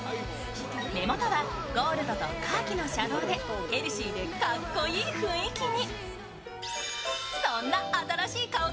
目元はゴールドとカーキのシャドウでヘルシーでかっこいい雰囲気に。